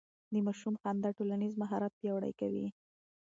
د ماشوم خندا ټولنيز مهارت پياوړی کوي.